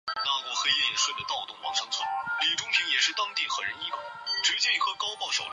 北齐洛阳人。